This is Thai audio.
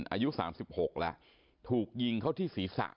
อายุสามสิบหกแล้วถูกยิงเข้าที่ศรีษะ